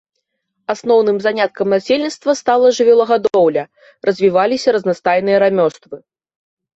Асноўным заняткам насельніцтва стала жывёлагадоўля, развіваліся разнастайныя рамёствы.